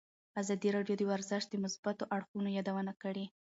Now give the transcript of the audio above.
ازادي راډیو د ورزش د مثبتو اړخونو یادونه کړې.